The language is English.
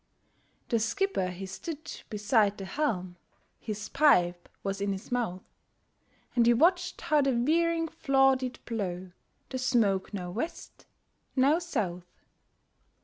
The skipper he stood beside the helm, His pipe was in his mouth, And he watched how the veering flaw did blow The smoke now West, now South.